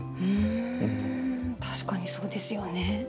確かにそうですよね。